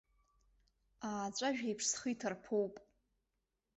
Ааҵәажә еиԥш схы иҭарԥоуп.